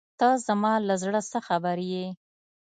ته زما له زړۀ څه خبر یې.